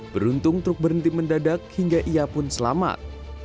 beruntung truk berhenti mendadak hingga ia pun selamat